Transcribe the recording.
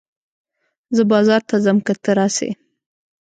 زه بازار ته ځم که ته راسې